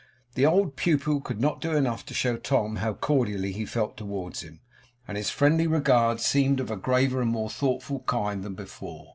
The old pupil could not do enough to show Tom how cordially he felt towards him, and his friendly regard seemed of a graver and more thoughtful kind than before.